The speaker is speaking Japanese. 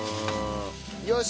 よし。